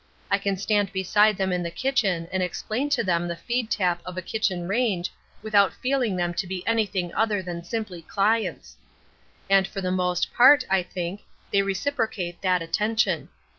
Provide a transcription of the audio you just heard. I can stand beside them in the kitchen and explain to them the feed tap of a kitchen range without feeling them to be anything other than simply clients. And for the most part, I think, they reciprocate that attention.